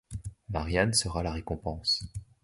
Marianne sera la récompense.